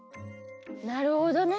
なるほどね。